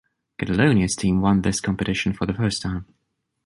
Catalonia’s team won this competition for the first time.